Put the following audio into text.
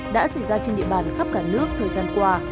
đã xảy ra trên địa bàn khắp cả nước thời gian qua